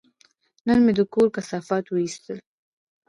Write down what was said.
نن مې د کور کثافات وایستل.